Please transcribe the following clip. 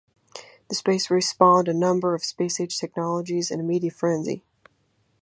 The space race spawned a number of space age technologies and a media frenzy.